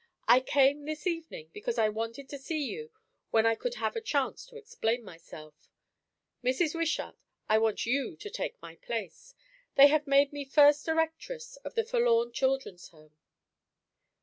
I came this evening, because I wanted to see you when I could have a chance to explain myself. Mrs. Wishart, I want you to take my place. They have made me first directress of the Forlorn Children's Home."